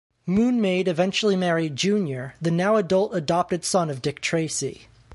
Moon Maid eventually married Junior, the now-adult adopted son of Dick Tracy.